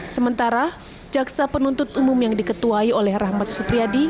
sementara jaksa penuntut umum yang diketuai oleh rahmat supriyadi